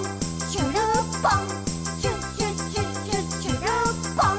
しゅるっぽん！」